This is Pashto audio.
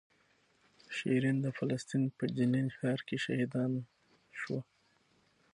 شیرین د فلسطین په جنین ښار کې شهیدان شوه.